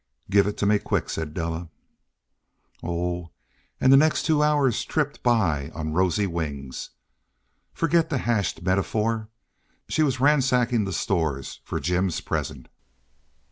"Give it to me quick," said Della. Oh, and the next two hours tripped by on rosy wings. Forget the hashed metaphor. She was ransacking the stores for Jim's present.